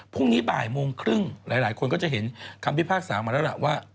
พรุ่งนี้บ่ายโมงครึ่งหลายคนก็จะเห็นคำพิพากษามาแล้วล่ะว่า